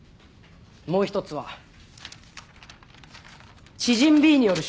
もう一つは知人Ｂによる証言です。